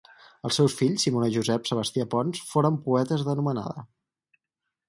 Els seus fills Simona i Josep Sebastià Pons foren poetes d'anomenada.